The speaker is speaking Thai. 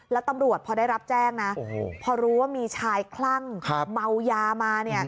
แล้วตำรวจพอได้รับแจ้งนะพอรู้ว่ามีชายคลั่งเมายามา